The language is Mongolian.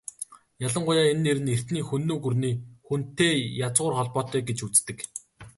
Ялангуяа энэ нэр нь эртний Хүннү гүрний "Хүн"-тэй язгуур холбоотой гэж үздэг.